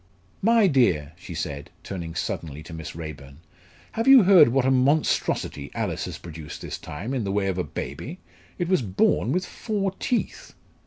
"My dear!" she said, turning suddenly to Miss Raeburn, "have you heard what a monstrosity Alice has produced this last time in the way of a baby? It was born with four teeth!"